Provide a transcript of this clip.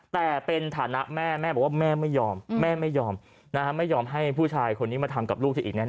แต่เป็นฐานะแม่แม่บอกว่าแม่ไม่ยอมแม่ไม่ยอมไม่ยอมให้ผู้ชายคนนี้มาทำกับลูกเธออีกแน